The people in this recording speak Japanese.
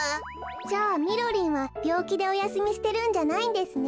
じゃあみろりんはびょうきでおやすみしてるんじゃないんですね。